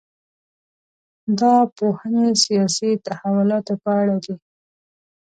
دا پوهنې سیاسي تحولاتو په اړه دي.